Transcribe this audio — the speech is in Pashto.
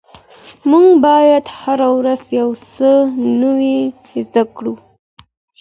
موږ باید هره ورځ یو څه نوي زده کړو.